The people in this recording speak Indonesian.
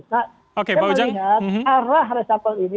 saya melihat arah reshuffle ini